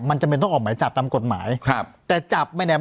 มันจำเป็นต้องออกหมายจับตามกฎหมายครับแต่จับไปเนี่ย